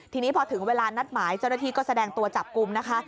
ทีนี้พอถึงเวลานัดหมายเจ้าหน้าที่ก็แสดงตัวจับกลุ่มนะคะ